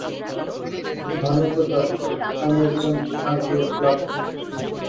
ভানু প্রতাপ, আমি একজন আর্ট লাভার।